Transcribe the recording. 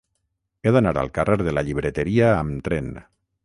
He d'anar al carrer de la Llibreteria amb tren.